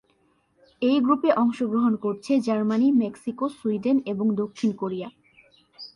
এই গ্রুপে অংশগ্রহণ করছে জার্মানি, মেক্সিকো, সুইডেন এবং দক্ষিণ কোরিয়া।